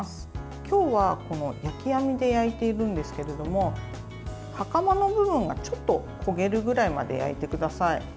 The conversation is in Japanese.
今日は焼き網で焼いているんですけれどもはかまの部分がちょっと焦げるくらいまで焼いてください。